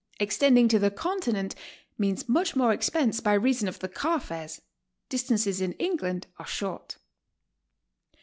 Extending to the Continent means much more expense by reason of the car fares; distances in England are short.